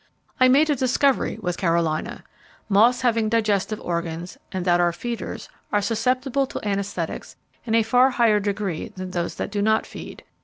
I made a discovery with Carolina. Moths having digestive organs and that are feeders are susceptible to anaesthetics in a far higher degree than those that do not feed.